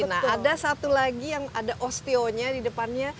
nah ada satu lagi yang ada osteonya di depannya